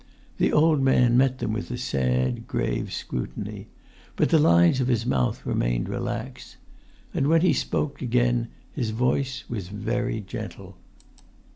The old man met them with a sad, grave scrutiny. But the lines of his mouth remained relaxed. And, when he spoke again, his voice was very gentle.